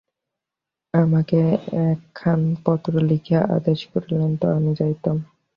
আমাকে একখানা পত্র লিখিয়া আদেশ করিলেই তো আমি যাইতাম!